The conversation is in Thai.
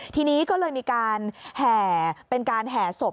ทีนี้ก็เลยมีเป็นการแห่ศพ